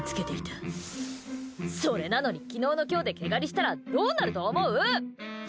それなのに昨日の今日で毛刈りしたらどうなると思う！